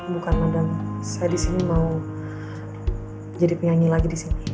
bukan madang saya disini mau jadi penyanyi lagi disini